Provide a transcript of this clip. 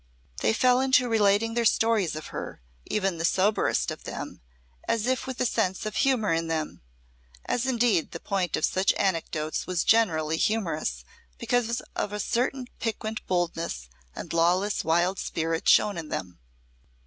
They fell into relating their stories of her, even the soberest of them, as if with a sense of humour in them, as indeed the point of such anecdotes was generally humorous because of a certain piquant boldness and lawless wild spirit shown in them.